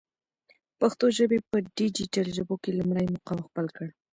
پښتو ژبی په ډيجيټل ژبو کی لمړی مقام خپل کړ.